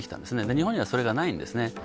日本にはそれがないんですね。